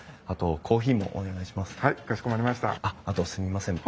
あとコーヒーもお願いします。